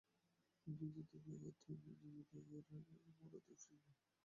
ইংরেজি দ্বিতীয় পত্রইংরেজি দ্বিতীয় পত্রে মূলত ফ্রি-হ্যান্ড রাইটিংয়ে পরীক্ষার্থীর পারদর্শিতা যাচাই করা হয়।